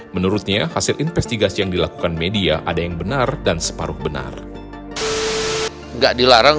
menurutnya hasil investigasi yang dilakukan media ada yang benar dan separuh benar enggak dilarang